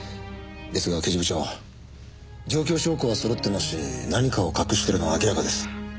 ですが刑事部長状況証拠はそろってますし何かを隠してるのは明らかです。